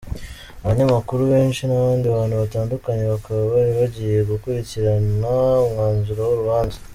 Abanyamakuru benshi n’abandi bantu batandukanye bakaba bari bagiye gukurikirana umwanzuro w’urubanza.